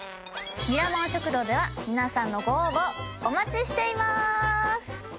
ミラモン食堂では皆さんのご応募お待ちしています。